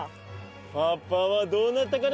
パパはどうなったかな？